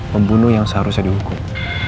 pembunuh yang seharusnya dihukum